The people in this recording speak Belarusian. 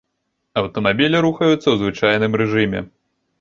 Аўтамабілі рухаюцца ў звычайным рэжыме.